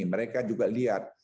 mereka juga lihat